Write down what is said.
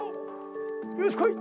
よし来い！